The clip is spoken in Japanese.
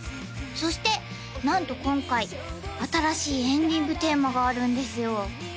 そしてなんと今回新しいエンディングテーマがあるんですよ